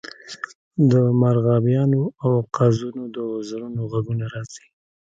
د مرغابیانو او قازونو د وزرونو غږونه راځي